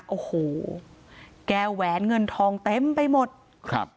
โอ้โหแก้วแหวนเงินทองเต็มไปหมดครับ